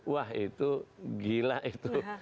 wah itu gila itu